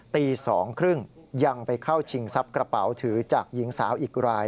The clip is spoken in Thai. ตี๒๓๐ยังไปเข้าชิงทรัพย์กระเป๋าถือจากหญิงสาวอีกราย